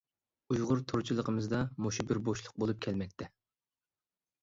ئۇيغۇر تورچىلىقىمىزدا مۇشۇ بىر بوشلۇق بولۇپ كەلمەكتە.